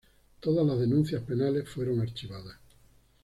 Todas la denuncias penales fueron archivadas.